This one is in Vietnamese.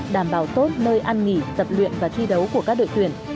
đảm bảo tốt nơi ăn nghỉ tập luyện và thi đấu của các đội tuyển